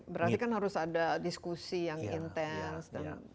berarti kan harus ada diskusi yang intens